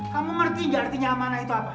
kamu ngerti gak artinya amanah itu apa